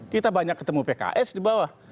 kita banyak ketemu pks di bawah